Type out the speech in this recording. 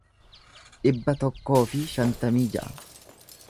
dhibba tokkoo fi shantamii ja'a